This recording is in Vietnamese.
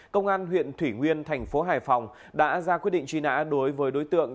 công an huyện thủy nguyên thành phố hải phòng đã ra quyết định truy nã đối với đối tượng